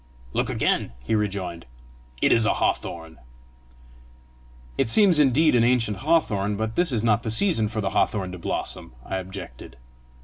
"Look again," he rejoined: "it is a hawthorn." "It seems indeed an ancient hawthorn; but this is not the season for the hawthorn to blossom!" I objected.